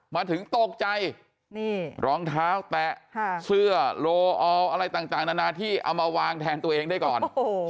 มาถึงตกใจนี่รองเท้าแตะเสื้อโลออลอะไรต่างนานาที่เอามาวางแทนตัวเองได้ก่อน